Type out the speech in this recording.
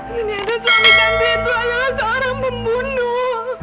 ternyata suami tante itu adalah seorang pembunuh